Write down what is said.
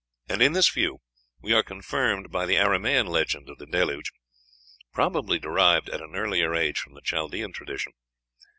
And in this view we are confirmed by the Aramæan legend of the Deluge, probably derived at an earlier age from the Chaldean tradition.